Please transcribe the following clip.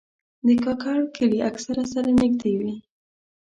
د کاکړ کلي اکثره سره نږدې وي.